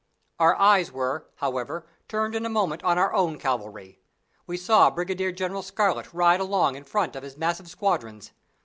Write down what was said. Our eyes were, however, turned in a moment on our own cavalry. We saw Brigadier General Scarlett ride along in front of his massive squadrons.